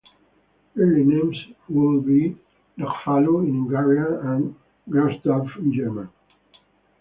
Early names would be "Nogfalu" in Hungarian and "Grossdorf" in German.